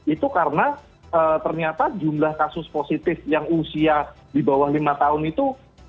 itu karena ternyata jumlah kasus positif yang usia di bawah lima tahun itu